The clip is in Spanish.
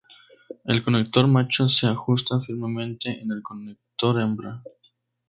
El conector macho se ajusta firmemente en el conector hembra.